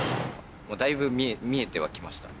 だいぶ見えてはきました。